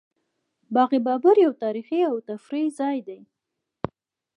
باغ بابر یو تاریخي او تفریحي ځای دی